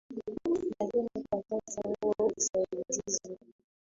lakini kwa sasa huo usaidizi